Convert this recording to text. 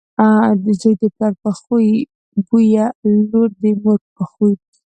زوی دپلار په خوی بويه، لور دمور په خوی .